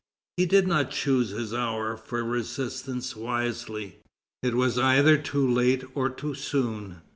He did not choose his hour for resistance wisely. It was either too late or too soon.